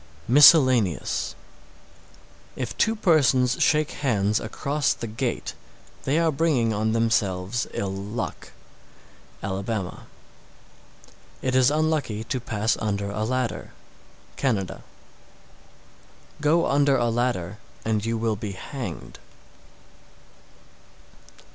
_ MISCELLANEOUS. 663. If two persons shake hands across the gate, they are bringing on themselves ill luck. Alabama. 664. It is unlucky to pass under a ladder. Canada. 665. Go under a ladder and you will be hanged.